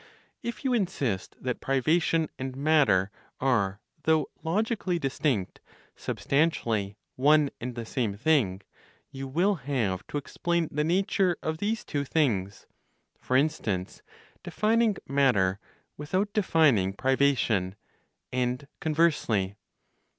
If you insist that privation and matter are though logically distinct, substantially one and the same thing, you will have to explain the nature of these two things, for instance, defining matter without defining privation, and conversely.